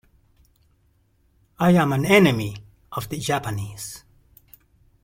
I am an enemy of the Japanese.